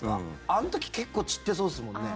あの時結構散ってそうですもんね。